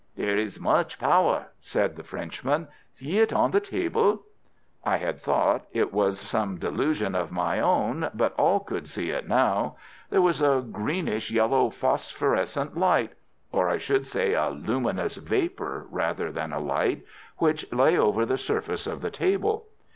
"There is much power," said the Frenchman. "See it on the table!" I had thought it was some delusion of my own, but all could see it now. There was a greenish yellow phosphorescent light—or I should say a luminous vapour rather than a light—which lay over the surface of the table.